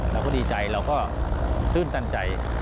เราก็ดีใจเราก็ตื่นตันใจ